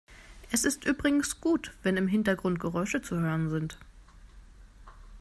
Es ist übrigens gut, wenn im Hintergrund Geräusche zu hören sind.